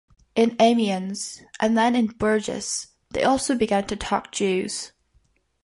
In Amiens, and then in Bourges, they also began to attack Jews.